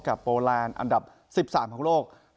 โปแลนด์อันดับ๑๓ของโลก